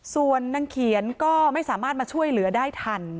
ส่วนนางเขียนก็ไม่สามารถมาช่วยเหลือได้ทัน